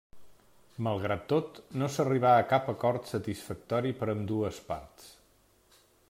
Malgrat tot, no s'arribà a cap acord satisfactori per ambdues parts.